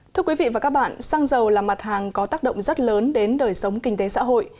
thưa quý vị và các bạn xăng dầu là mặt hàng có tác động rất lớn đến đời sống kinh tế xã hội